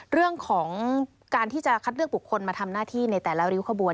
เรื่องของการที่จะคัดเลือกบุคคลมาทำหน้าที่ในแต่ละริ้วขบวน